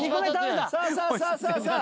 さあさあさあさあ。